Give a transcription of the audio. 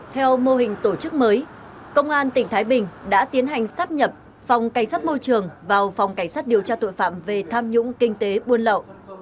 theo mô hình tổ chức mới công an tỉnh thái bình đã tiến hành sắp nhập phòng cảnh sát môi trường vào phòng cảnh sát điều tra tội phạm về tham nhũng kinh tế buôn lậu